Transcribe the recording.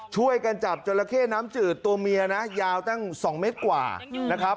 ช่วยกันจับจราเข้น้ำจืดตัวเมียนะยาวตั้ง๒เมตรกว่านะครับ